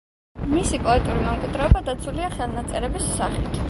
მისი პოეტური მემკვიდრეობა დაცულია ხელნაწერების სახით.